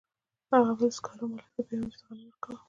هغه به د سکارو مالک ته یوه اندازه غنم ورکول